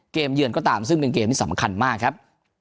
เยือนก็ตามซึ่งเป็นเกมที่สำคัญมากครับ